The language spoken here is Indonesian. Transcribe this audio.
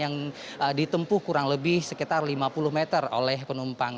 yang ditempuh kurang lebih sekitar lima puluh meter oleh penumpang